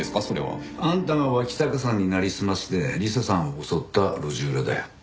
それは。あんたが脇坂さんになりすまして理彩さんを襲った路地裏だよ。